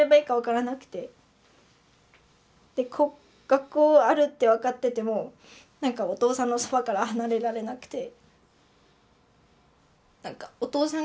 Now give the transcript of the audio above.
学校あるって分かってても何かお父さんのそばから離れられなくて。